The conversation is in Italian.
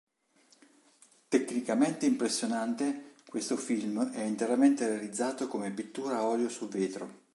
Tecnicamente impressionante, questo film è interamente realizzato come pittura a olio su vetro.